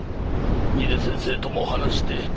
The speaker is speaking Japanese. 新出先生とも話して